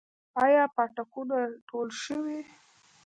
آیا پاټکونه ټول شوي؟